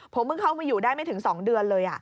ผมเพิ่งเข้ามาอยู่ได้ไม่ถึง๒เดือนเลย